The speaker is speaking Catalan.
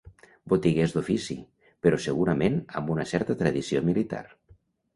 Botiguers d'ofici, però segurament amb una certa tradició militar.